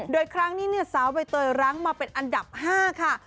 โดยครั้งนี้เนี่ยสาวใบเตยรั้งมาเป็นอันดับ๕ค่ะ